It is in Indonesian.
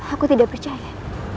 aku tidak percaya